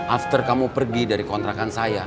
after kamu pergi dari kontrakan saya